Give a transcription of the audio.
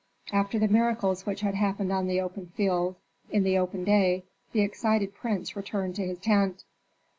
After the miracles which had happened on the open field, in the open day, the excited prince returned to his tent.